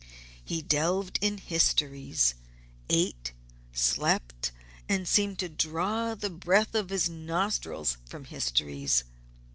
He delved in histories ate, slept, and seemed to draw the breath of his nostrils from histories.